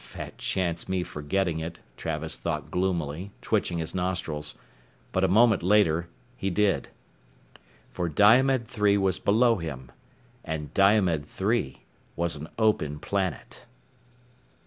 Fat chance me forgetting it, Travis thought gloomily, twitching his nostrils. But a moment later he did. For Diomed III was below him. And Diomed III was an Open Planet.